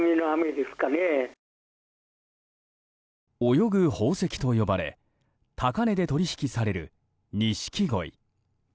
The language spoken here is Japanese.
泳ぐ宝石と呼ばれ高値で取引されるニシキゴイ。